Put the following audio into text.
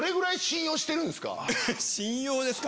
信用ですか？